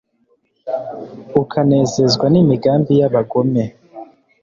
ukanezezwa n'imigambi y'abagome